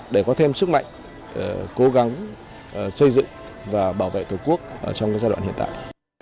để có thêm sức mạnh cố gắng xây dựng và bảo vệ tổ quốc trong giai đoạn hiện tại